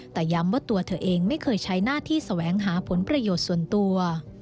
แต่ย้ำว่าตัวเธอเองไม่เคยใช้หน้าที่แสวงหาผลประโยชน์ส่วนตัว